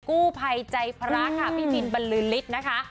กู้ภัยใจพระค่ะพี่บินบรรลือฤทธิ์นะคะ